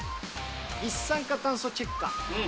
一酸化炭素チェッカー。